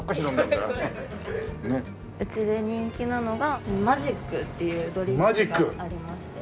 うちで人気なのがマジックっていうドリップがありまして。